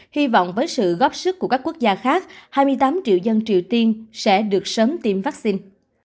hy vọng với sự góp sức của các quốc gia khác hai mươi tám triệu dân triều tiên sẽ được sớm tiêm vaccine